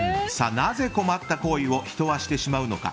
なぜ困った行為を人はしてしまうのか。